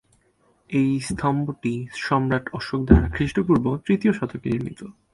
এই স্তম্ভটি সম্রাট অশোক দ্বারা খ্রিষ্টপূর্ব তৃতীয় শতকে নির্মিত।